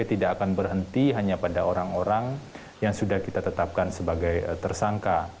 tidak akan berhenti hanya pada orang orang yang sudah kita tetapkan sebagai tersangka